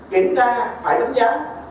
kiểm tra phải đúng giá